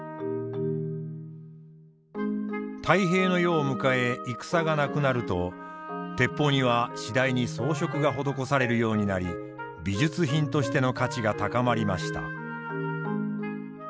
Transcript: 太平の世を迎え戦がなくなると鉄砲には次第に装飾が施されるようになり美術品としての価値が高まりました。